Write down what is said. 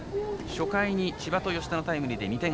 初回に千葉と吉田のタイムリーで２点。